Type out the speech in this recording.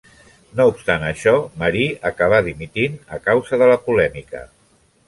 No obstant això, Marí acabà dimitint a causa de la polèmica.